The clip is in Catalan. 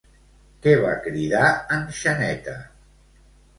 Què va cridar en Xaneta?